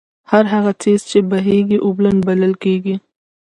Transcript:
هر هغه څيز چې بهېږي، اوبلن بلل کيږي